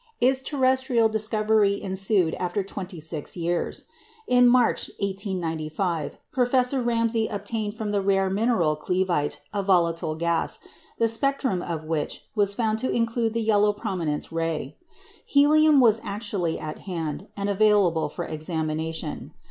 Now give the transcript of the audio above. Its terrestrial discovery ensued after twenty six years. In March, 1895, Professor Ramsay obtained from the rare mineral clevite a volatile gas, the spectrum of which was found to include the yellow prominence ray. Helium was actually at hand, and available for examination.